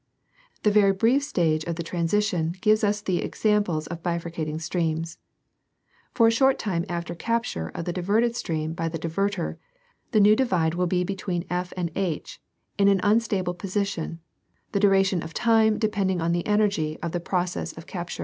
The very brief stage of transition gives us the rare examples of bifurcating streams. For a short time after capture of the diverted stream by the divertor, the new divide will lie between F and H, in an unstable position, the duration of this time depending on the energy of the process of capture.